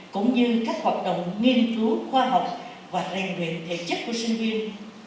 cũng như các hoạt động nghiên cứu khoa học và rèn luyện thể chất của sinh viên